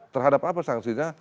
terhadap apa sanksinya